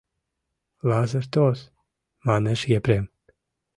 — Лазыр тос, — манеш Епрем.